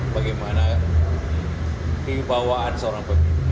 bagaimana keibawaan seorang pemimpin